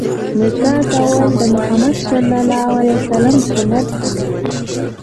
نکاح کول د مُحَمَّد ﷺ سنت دی.